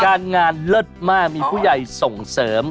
งานเลิศมากมีผู้ใหญ่ส่งเสริม